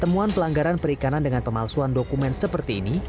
temuan pelanggaran perikanan dengan pemalsuan dokumen seperti ini